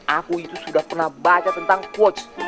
aku itu sudah pernah baca tentang quotes